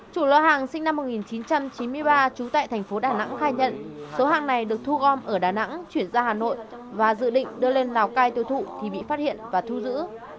chủ lô hàng sinh năm một nghìn chín trăm chín mươi ba trú tại thành phố đà nẵng khai nhận số hàng này được thu gom ở đà nẵng chuyển ra hà nội và dự định đưa lên lào cai tiêu thụ thì bị phát hiện và thu giữ